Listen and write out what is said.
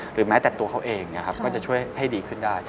แม้แต่ตัวเขาเองก็จะช่วยให้ดีขึ้นได้